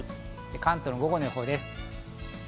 関東の午後の予報です。